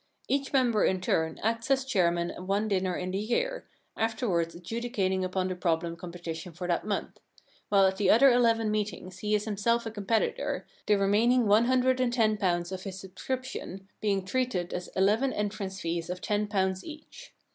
Each member in turn acts as chairman at one dinner in the year, afterwards adjudicating upon the problem competition for that month ; while at the other eleven meetings he is him self a competitor, the remaining one hundred and ten pounds of his subscription being treated as eleven entrance fees of ten pounds each.